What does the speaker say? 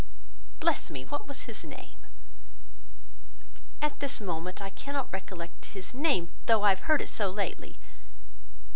Bless me! what was his name? At this moment I cannot recollect his name, though I have heard it so lately.